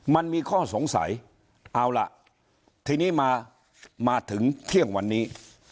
มันมีข้อสงสัยเอาล่ะทีนี้มามาถึงเที่ยงวันนี้